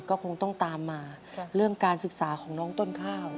ก็คงต้องตามมาเรื่องการศึกษาของน้องต้นข้าว